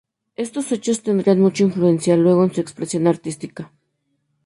Estos hechos tendrían mucha influencia luego en su expresión artística.